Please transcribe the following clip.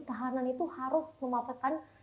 tahanan itu harus memanfaatkan